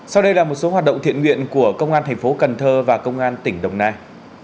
sau đây là một số hoạt động thiện nguyện của công an thành phố cần thơ và công an tỉnh đồng nai